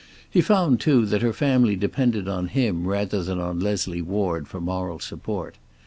He found, too, that her family depended on him rather than on Leslie Ward for moral support.